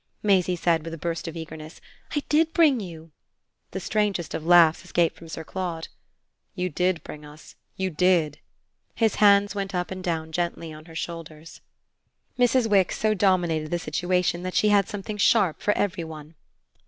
Maisie said with a burst of eagerness. "I did bring you." The strangest of laughs escaped from Sir Claude. "You did bring us you did!" His hands went up and down gently on her shoulders. Mrs. Wix so dominated the situation that she had something sharp for every one.